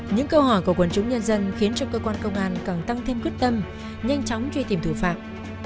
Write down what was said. những câu hỏi của quần chúng nhân dân khiến cho cơ quan công an càng tăng thêm quyết tâm nhanh chóng truy tìm thủ phạm